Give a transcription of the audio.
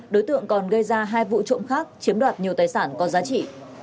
đối tượng còn gây ra hai vụ trộm khác chiếm đoạt nhiều tài sản có giá trị